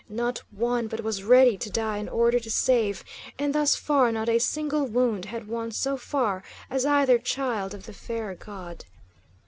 Not one but was ready to die in order to save; and thus far not a single wound had won so far as either Child of the Fair God.